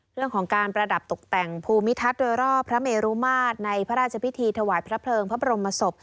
เรื่องของการประดับตกแต่งภูมิทัศน์โดยรอบพระเมรุมาตรในพระราชพิธีถวายพระเพลิงพระบรมศพ